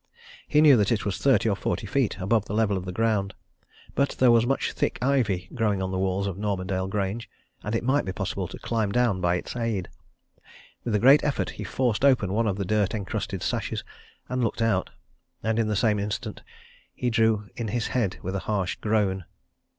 He knew that it was thirty or forty feet above the level of the ground but there was much thick ivy growing on the walls of Normandale Grange, and it might be possible to climb down by its aid. With a great effort he forced open one of the dirt encrusted sashes and looked out and in the same instant he drew in his head with a harsh groan.